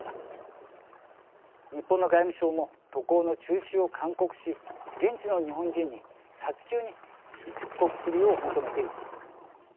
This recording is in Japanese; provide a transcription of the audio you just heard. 日本の外務省も渡航の中止を勧告し現地の日本人に早急に出国するよう求めています。